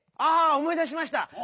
あおもい出しました。